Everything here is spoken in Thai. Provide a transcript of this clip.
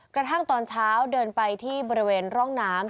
กระทั่งตอนเช้าเดินไปที่บริเวณร่องน้ำ